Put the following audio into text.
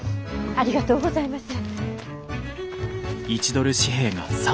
ありがとうございます！